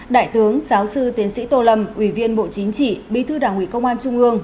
đại tướng giáo sư tiến sĩ tô lâm ủy viên bộ chính trị bí thư đảng ủy công an trung ương